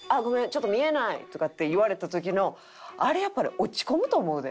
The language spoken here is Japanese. ちょっと見えない」とかって言われた時のあれやっぱり落ち込むと思うで。